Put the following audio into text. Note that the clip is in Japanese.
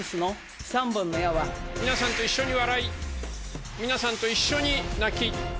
皆さんと一緒に笑い、皆さんと一緒に泣き。